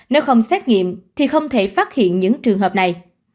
nếu không xét nghiệm thì không thể phát hiện những trường hợp này